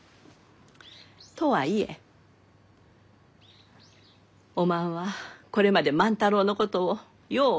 とはいえおまんはこれまで万太郎のことをよう